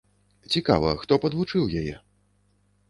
Цікава, хто падвучыў яе?